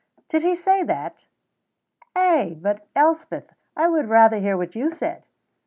'" "Did he say that? Ay, but, Elspeth, I would rather hear what you said."